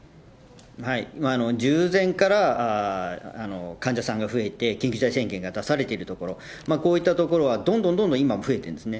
従前から患者さんが増えて緊急事態宣言が出されている所、こういった所はどんどんどんどん今も増えてるんですね。